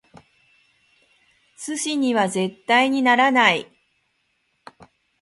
寿司には絶対にならない！